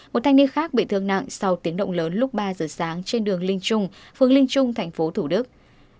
một thanh niên khác bị thương nặng sau tiếng động lớn lúc ba giờ sáng trên đường linh trung phường linh trung tp hcm